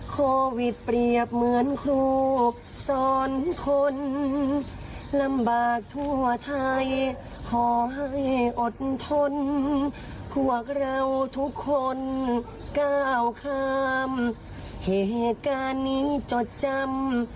ขอบคุณทุกคนเก้าคามเหตุการณ์นี้จดจำ